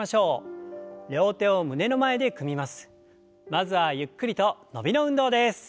まずはゆっくりと伸びの運動です。